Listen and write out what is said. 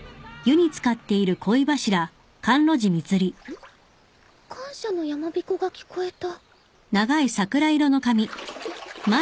んっ？感謝の山びこが聞こえた。